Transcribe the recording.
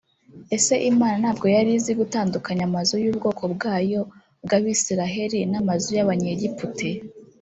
“ Ese Imana ntabwo yari izi gutandukanya amazu y’ubwoko bwayo bw’Abisiraheli n’amazu y’Abanyegiputa